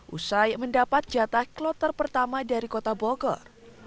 usai mendapat jatah kloter pertama dari kota bogor